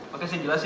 pakai saya jelasin